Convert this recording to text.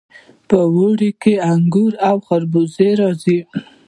په اوړي کې انګور او خربوزې راځي.